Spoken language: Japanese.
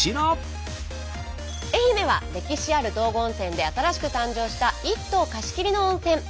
愛媛は歴史ある道後温泉で新しく誕生した一棟貸し切りの温泉。